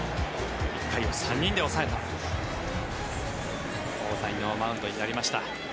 １回を３人で抑えた大谷のマウンドになりました。